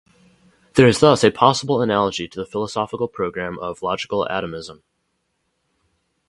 There is thus a possible analogy to the philosophical program of logical atomism.